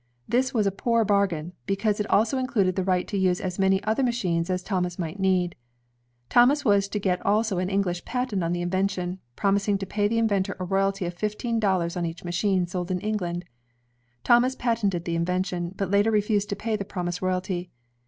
This was a poor bargain, because it also included the right to use as many other machines as Thomas might need. Thomas was to get also an English patent on the invention, promising to pay the inventor a royalty of fifteen dollars on each ma chine sold in England. Thomas patented the invention, but later refused to pay the promised royalty.